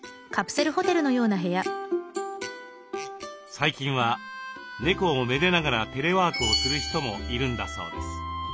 最近は猫をめでながらテレワークをする人もいるんだそうです。